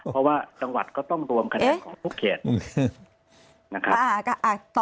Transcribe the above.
เพราะว่าจังหวัดก็ต้องรวมคะแนนของทุกเขตนะครับ